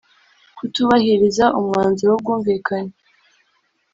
Kutubahiriza umwanzuro w ubwumvikane